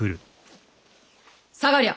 下がりゃ。